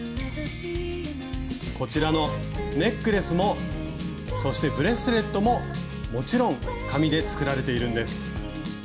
こちらのネックレスもそしてブレスレットももちろん紙で作られているんです。